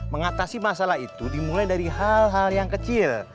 mengatasi masalah itu dimulai dari hal hal yang kecil